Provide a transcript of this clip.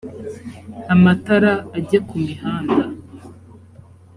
amatara ajye kumihanda